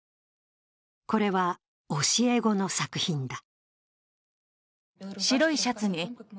これは教え子の作品だ。